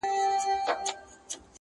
مړۍ غوړي سوې د ښار د فقیرانو!